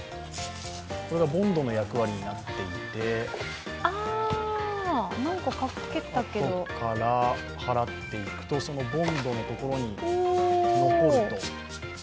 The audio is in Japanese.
これがボンドの役割になっていて払っていくとそのボンドのところに残ると。